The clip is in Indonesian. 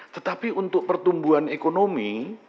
tetapi untuk pertumbuhan ekonomi